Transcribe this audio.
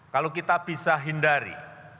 kalau kita bisa hindari